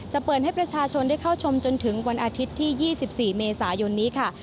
เปิดให้ประชาชนได้เข้าชมจนถึงวันอาทิตย์ที่๒๔เมษายนนี้ค่ะ